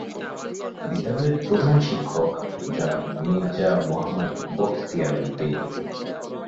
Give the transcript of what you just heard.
বিদ্যালয়ের প্রধান শিক্ষক জনাব মির্জা মোহাম্মদ বখতিয়ার উদ্দীন।